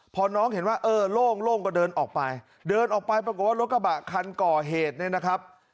พอน้องเห็นว่าเออโล่งก็เดินออกไปเดินออกไปปรากฏว่ารถกระบะคันก่อเหตุเนี่ยนะครับ